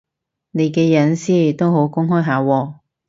你啲私隱都好公開下喎